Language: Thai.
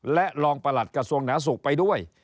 และรองประหลัดกระทรวงหนาสุขไปด้วย